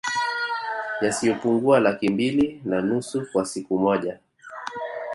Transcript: Yasiyopungua Laki mbili na nusu kwa siku moja